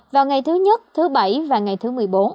vào ngày thứ nhất thứ bảy và ngày thứ một mươi bốn